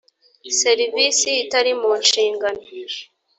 serivisi itari mu nshingano